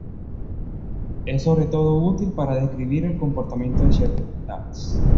Es sobre todo útil para describir el comportamiento de ciertos metales.